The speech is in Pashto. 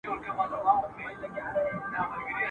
زه مي د خیال په جنازه کي مرمه !.